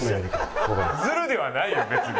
ズルではないよ別に。